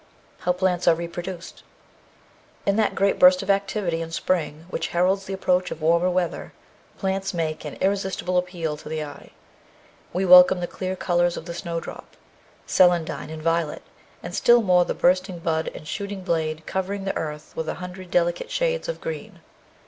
9 HOW PLANTS ARE REPRODUCED In that great burst of activity in spring which heralds the approach of warmer weather, plants make an irresistible appeal to the eye. We welcome the clear colours of the snowdrop, celan dine, and violet, and still more the bursting bud and shooting blade covering the earth with a hundred delicate shades of green.